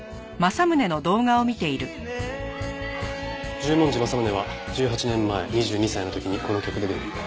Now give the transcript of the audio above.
十文字政宗は１８年前２２歳の時にこの曲でデビュー。